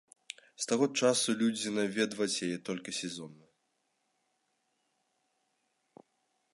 З таго часу людзі наведваць яе толькі сезонна.